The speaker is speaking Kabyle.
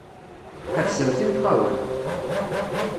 Ḥebsemt imeṭṭawen!